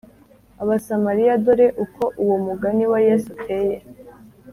Abasamariya Dore uko uwo mugani wa Yesu uteye